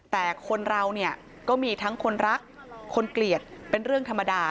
แต่คนเราเนี่ยก็มีทั้งคนรักคนเกลียดเป็นเรื่องธรรมดา